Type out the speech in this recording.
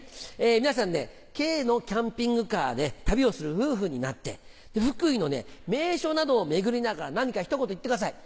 皆さんね軽のキャンピングカーで旅をする夫婦になって福井の名所などを巡りながら何かひと言言ってください。